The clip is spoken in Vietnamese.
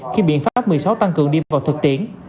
khi biện pháp một mươi sáu tăng cường đi vào thực tiễn